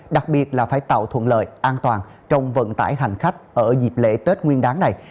đặc biệt là phải tạo thuận lợi an toàn trong vận tải hành khách ở dịp lễ tết nguyên đáng này